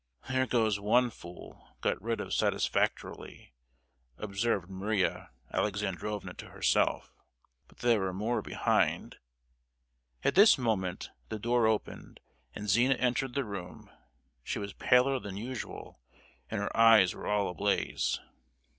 "There goes one fool, got rid of satisfactorily!" observed Maria Alexandrovna to herself,—"but there are more behind——!" At this moment the door opened, and Zina entered the room. She was paler than usual, and her eyes were all ablaze.